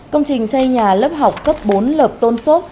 công trình xây nhà lớp học cấp bốn lợp tôn sốt